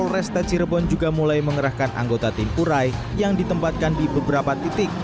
polresta cirebon juga mulai mengerahkan anggota tim urai yang ditempatkan di beberapa titik